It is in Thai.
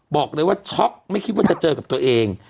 บอกเลยว่าช็อกไม่คิดว่าจะเจอกับตัวเอง